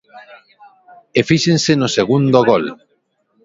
E fíxense no segundo gol.